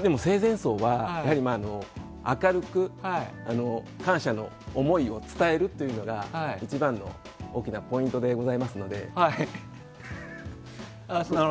でも生前葬はやはり明るく感謝の思いを伝えるというのが一番の大きなポイントでございますのでなるほど。